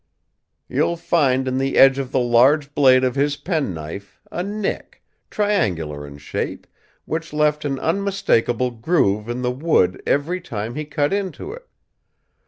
"You'll find in the edge of the large blade of his penknife a nick, triangular in shape, which left an unmistakable groove in the wood every time he cut into it.